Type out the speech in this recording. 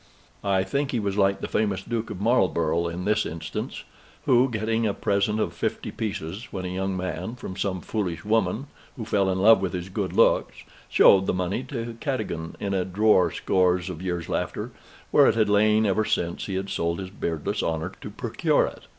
I think he was like the famous Duke of Marlborough in this instance, who, getting a present of fifty pieces, when a young man, from some foolish woman who fell in love with his good looks, showed the money to Cadogan in a drawer scores of years after, where it had lain ever since he had sold his beardless honor to procure it.